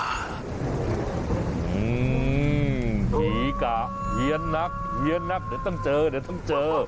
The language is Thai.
อืมผีกะเฮียนนักเฮียนนักเดี๋ยวต้องเจอเดี๋ยวต้องเจอ